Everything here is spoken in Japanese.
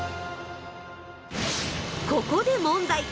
ここで問題！